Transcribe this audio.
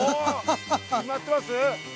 きまってます？